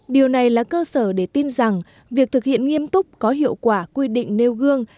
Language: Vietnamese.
điều này là cơ sở để tin rằng việc thực hiện nghiêm túc có hiệu quả quy định nêu gương